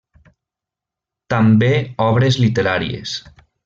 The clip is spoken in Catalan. També obres literàries.